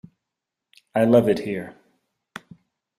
I love it here.